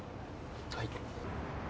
はい。